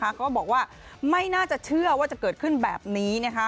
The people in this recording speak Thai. ก็บอกว่าไม่น่าจะเชื่อว่าจะเกิดขึ้นแบบนี้นะคะ